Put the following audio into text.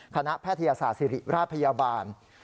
แพทยศาสตร์ศิริราชพยาบาล